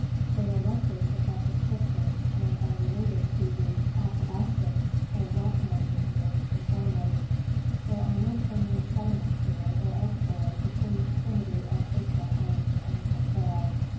They are mostly professing Christians and are related to the Athabascans, or Rock mountain Indians, in family. 'There are no permanent settlements here or elsewhere between the vicinity of Herschel island and Point Barrow.